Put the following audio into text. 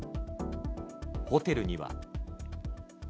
ホテルには。